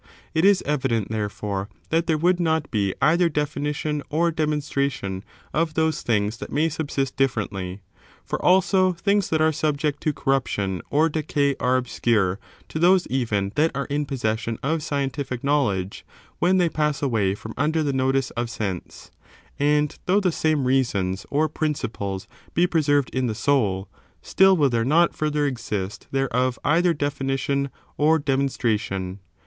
It is evident, therefore, that there would not be either definition or demonstration of those j>^hings that may subsist differently ; for, also, things that are '^subject to corruption or decay are obscure to those even that are in possession of scientific knowledge, when they pass away from under the notice of sense ; and though the same reasons or principles be preserved in the soul, still will there not further exist thereof either definition or demoustra : tion.